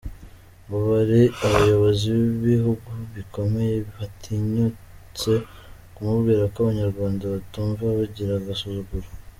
Ngo hari abayobozi b’ibihugu bikomeye batinyutse kumubwira ko abanyarwanda batumva bagira agasuzuguro.